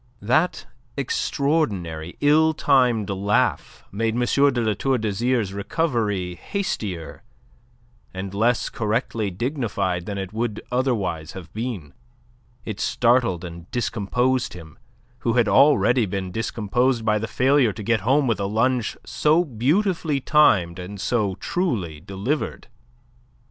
That extraordinary, ill timed laugh made M. de La Tour d'Azyr's recovery hastier and less correctly dignified than it would otherwise have been. It startled and discomposed him, who had already been discomposed by the failure to get home with a lunge so beautifully timed and so truly delivered.